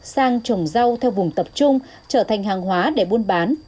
sang trồng rau theo vùng tập trung trở thành hàng hóa để buôn bán